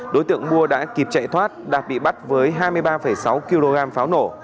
đối tượng mua đã kịp chạy thoát đạt bị bắt với hai mươi ba sáu kg pháo nổ